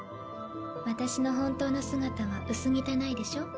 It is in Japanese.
私の本当の姿は薄汚いでしょ？